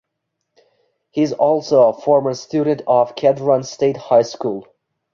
He is also a former student of Kedron State High School.